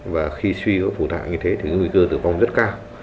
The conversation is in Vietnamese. và khi suy nó phủ tạng như thế thì nguy cơ tử vong rất cao